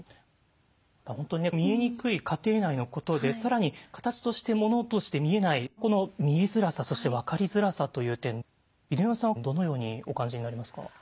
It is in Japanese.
本当に見えにくい家庭内のことで更に形としてものとして見えないこの見えづらさそして分かりづらさという点犬山さんはどのようにお感じになりますか？